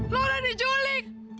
haa laura diculik